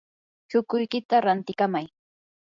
chukuykita rantikamay.